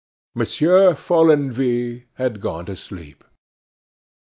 Monsieur Follenvie had gone to sleep.